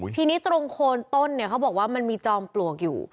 ทีนี้ตรงโคนต้นเนี่ยเขาบอกว่ามันมีจอมปลวกอยู่